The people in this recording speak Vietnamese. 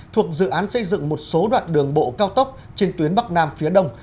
thuộc dự án xây dựng một số đoạn đường bộ cao tốc trên tuyến bắc nam phía đông